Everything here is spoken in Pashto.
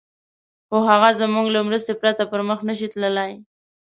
خو هغه زموږ له مرستې پرته پر مخ نه شي تللای.